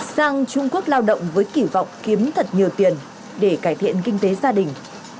sang trung quốc lao động với kỳ vọng kiếm thật nhiều tiền để cải thiện kinh tế gia đình